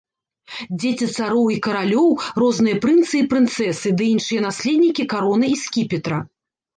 Дзеці цароў і каралёў, розныя прынцы і прынцэсы ды іншыя наследнікі кароны і скіпетра.